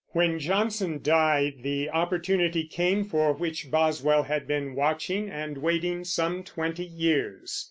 When Johnson died the opportunity came for which Boswell had been watching and waiting some twenty years.